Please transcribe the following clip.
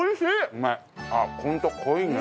うまいわ。